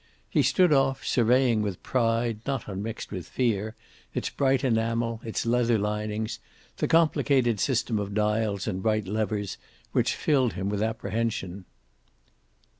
He stood off, surveying with pride not unmixed with fear its bright enamel, its leather linings, the complicated system of dials and bright levers which filled him with apprehension.